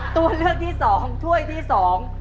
ตัวเลือกที่สองถ้วยที่สอง